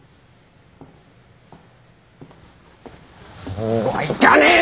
そうはいかねえんだよ！